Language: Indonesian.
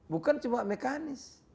bukan cuma mekanis